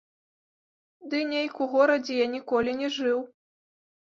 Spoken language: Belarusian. Ды нейк у горадзе я ніколі не жыў.